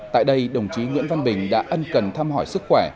tại đây đồng chí nguyễn văn bình đã ân cần thăm hỏi sức khỏe